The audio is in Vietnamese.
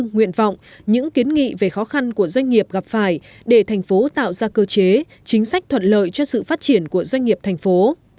nguyện vọng những kiến nghị về khó khăn của doanh nghiệp gặp phải để thành phố tạo ra cơ chế chính sách thuận lợi cho sự phát triển của doanh nghiệp thành phố